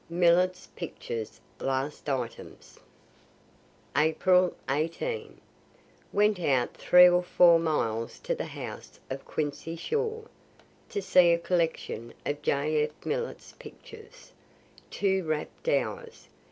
MILLET'S PICTURES LAST ITEMS April 18. Went out three or four miles to the house of Quincy Shaw, to see a collection of J. F. Millet's pictures. Two rapt hours.